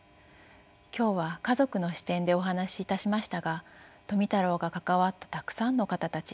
今日は家族の視点でお話しいたしましたが富太郎が関わったたくさんの方たち